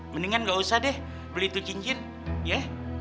mendingan gak usah deh beli itu cincin ya